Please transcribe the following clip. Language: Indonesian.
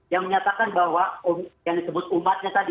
yang menyatakan bahwa yang disebut umatnya tadi